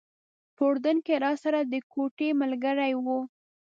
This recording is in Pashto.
په اردن کې راسره د کوټې ملګری و.